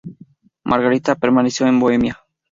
Margarita permaneció en Bohemia.